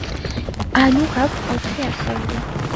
ანუ გვაქვს ოთხი ასეული.